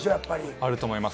あると思います。